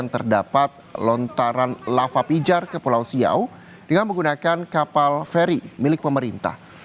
terdapat lontaran lava pijar ke pulau siau dengan menggunakan kapal feri milik pemerintah